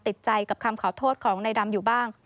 ติดใจกับคำขอโทษของนายดำอยู่บ้าง